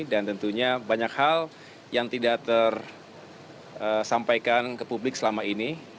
dan tentunya banyak hal yang tidak tersampaikan ke publik selama ini